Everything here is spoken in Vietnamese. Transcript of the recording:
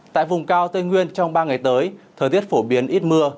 tại vùng cao tây nguyên trong ba ngày tới thời tiết phổ biến ít mưa